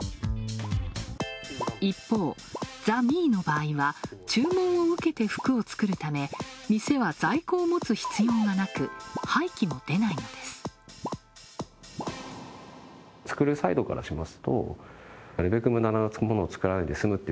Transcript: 一方、ＴＨＥＭＥの場合は、注文を受けて服を作るため、店は在庫を持つ必要がなく、廃棄も出ないのです。